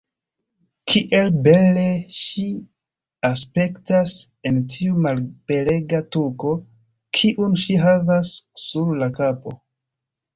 Kiel bele ŝi aspektas en tiu malbelega tuko, kiun ŝi havas sur la kapo.